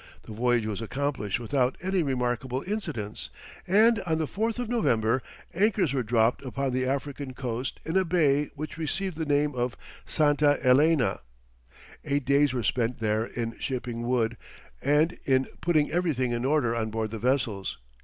The voyage was accomplished without any remarkable incidents, and on the 4th of November, anchors were dropped upon the African Coast in a bay which received the name of Santa Ellena. Eight days were spent there in shipping wood, and in putting everything in order on board the vessels.